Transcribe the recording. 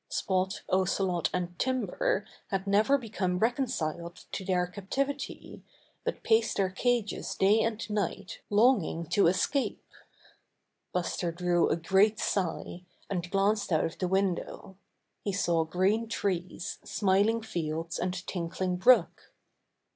Spot, Ocelot and Timber had never become reconciled to their captivity, but paced their cages day and night longing to escape. Buster drew a great sigh, and glanced out of the window. He saw green trees, smiling 124 Buster the Bear fields and tinkling brook.